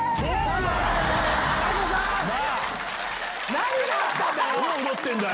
何があったんだよ